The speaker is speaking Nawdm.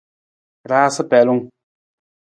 Raasa pelung.